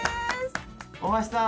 大橋さん。